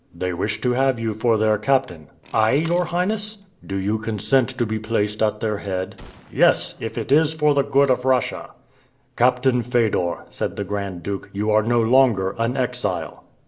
"They wish to have you for their captain." "I, your Highness?" "Do you consent to be placed at their head?" "Yes, if it is for the good of Russia." "Captain Fedor," said the Grand Duke, "you are no longer an exile."